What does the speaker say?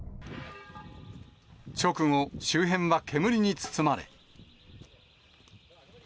直後、周辺は煙に包まれ。